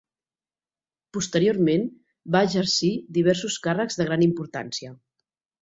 Posteriorment va exercir diversos càrrecs de gran importància.